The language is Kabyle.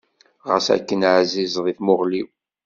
Ɣas akken εzizeḍ i tmuɣli-w.